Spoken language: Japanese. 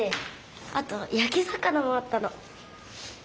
あとやき魚もあったの。